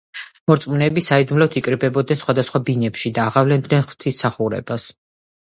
მორწმუნეები საიდუმლოდ იკრიბებოდნენ სხვადასხვა ბინებში და აღავლენდნენ ღვთისმსახურებას.